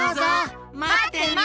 まってるよ！